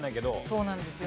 そうなんですよね。